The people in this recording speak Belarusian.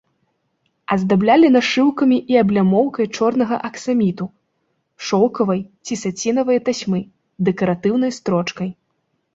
Аздаблялі нашыўкамі і аблямоўкай чорнага аксаміту, шоўкавай ці сацінавай тасьмы, дэкаратыўнай строчкай.